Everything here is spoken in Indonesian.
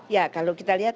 ya kalau kita lihat